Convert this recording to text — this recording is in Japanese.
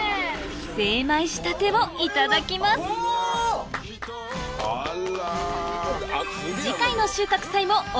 精米したてをいただきますあら。